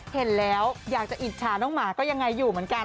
เห็นแล้วอยากจะอิจฉาน้องหมาก็ยังไงอยู่เหมือนกัน